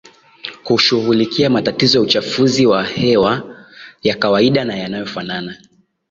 kushughulikia matatizo ya uchafuzi wa hewa ya kawaida na yanayofanana